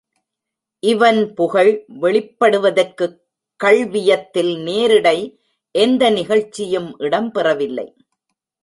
இவன் புகழ் வெளிப்படுவதற்குக் கள்வியத்தில் நேரிடை எந்த நிகழ்ச்சியும் இடம் பெறவில்லை.